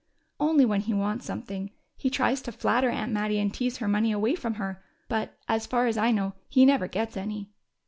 "Only when he wants something. He tries to flatter Aunt Mattie and tease her money away from her. But, as far as I know, he never gets any."